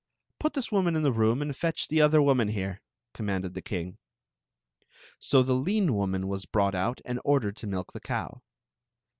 " Piii this woman in the room and fetch the other woman here, " commanded the king. of the Cloak 73 So the lean woman was brought out and ordered to milk the cow.